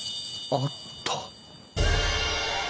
あった！